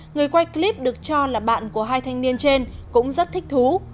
người quay clip được cho là bạn của hai thanh niên trên cũng rất thích thú